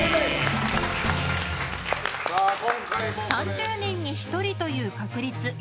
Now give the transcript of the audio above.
３０人に１人という確率。